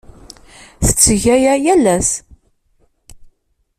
Tetteg aya yal ass.